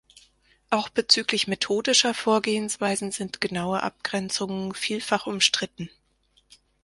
Auch bezüglich methodischer Vorgehensweisen sind genaue Abgrenzungen vielfach umstritten.